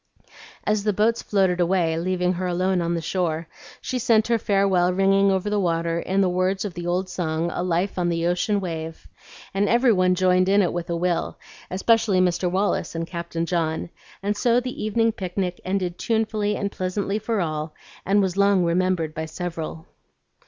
As the boats floated away, leaving her alone on the shore, she sent her farewell ringing over the water in the words of the old song, "A Life on the Ocean Wave;" and every one joined in it with a will, especially Mr. Wallace and Captain John; and so the evening picnic ended tunefully and pleasantly for all, and was long remembered by several.